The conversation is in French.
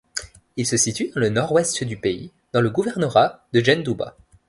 Il se situe dans le nord-ouest du pays, dans le gouvernorat de Jendouba.